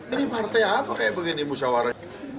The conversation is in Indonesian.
ini partai apa kayak begini musyawarah